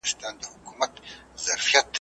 بریالیو ته پرېماني خزانې وې `